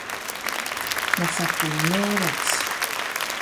mosa ku ngerac